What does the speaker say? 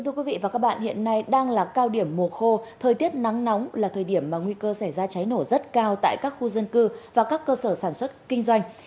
thưa quý vị và các bạn hiện nay đang là cao điểm mùa khô thời tiết nắng nóng là thời điểm mà nguy cơ xảy ra cháy nổ rất cao tại các khu dân cư và các cơ sở sản xuất kinh doanh